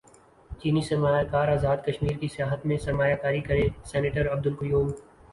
چینی سرمایہ کار ازاد کشمیر کی سیاحت میں سرمایہ کاری کریں سینیٹر عبدالقیوم